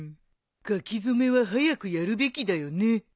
書き初めは早くやるべきだよね。